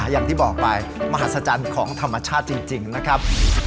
อย่างที่บอกไปมหัศจรรย์ของธรรมชาติจริงนะครับ